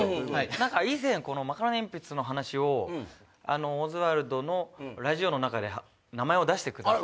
以前このマカロニえんぴつの話をオズワルドのラジオの中で名前を出してくださって。